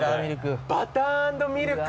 バター＆ミルク。